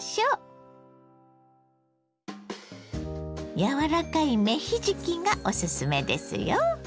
柔らかい芽ひじきがおすすめですよ。